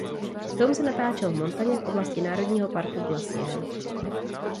Film se natáčel v Montaně v oblasti Národního parku Glacier.